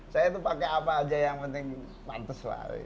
saya tuh pakai apa aja yang penting mantes lah